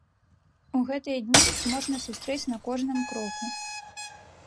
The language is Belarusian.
У гэтыя дні іх можна сустрэць на кожным кроку.